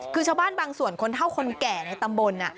คือชาวบ้านบางส่วนคนเท่าคนแก่ในตำบล